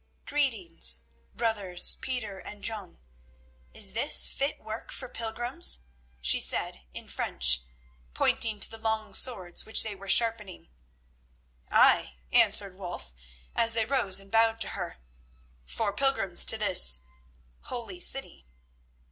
"Greetings, brothers Peter and John. Is this fit work for pilgrims?" she said in French, pointing to the long swords which they were sharpening. "Ay," answered Wulf, as they rose and bowed to her, "for pilgrims to this—holy city."